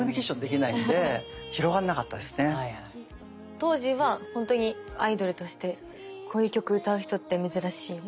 当時は本当にアイドルとしてこういう曲歌う人って珍しいみたいな。